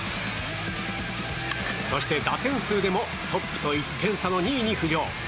そして打点数でもトップと１点差の２位に浮上。